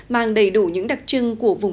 mang đầy đủ những đặc trưng của vùng đất quê lúa